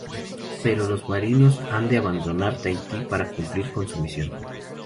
Pero los marinos han de abandonar Tahití para cumplir con su misión.